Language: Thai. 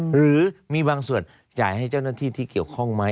หรือมีบางส่วนจ่ายให้เจ้าหน้าที่ที่เกี่ยวข้องไหม